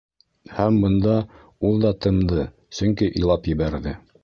Һәм бында ул да тымды, сөнки илап ебәрҙе...